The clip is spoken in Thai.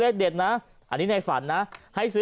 ให้ซื้อเลสเดชนะอันนี้ในฝันนะให้ซื้อ๐๒๒๒๒